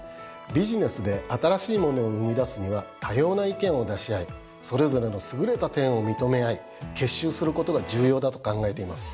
ビジネスで新しいものを生み出すには多様な意見を出し合いそれぞれの優れた点を認め合い結集することが重要だと考えています。